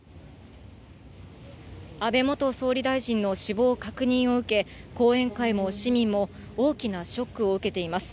安倍元総理大臣の死亡確認を受け、後援会も市民も、大きなショックを受けています。